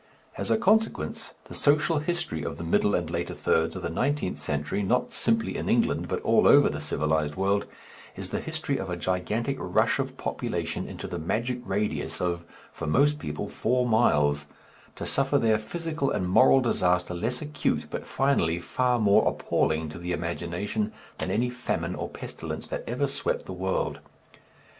As a consequence the social history of the middle and later thirds of the nineteenth century, not simply in England but all over the civilized world, is the history of a gigantic rush of population into the magic radius of for most people four miles, to suffer there physical and moral disaster less acute but, finally, far more appalling to the imagination than any famine or pestilence that ever swept the world.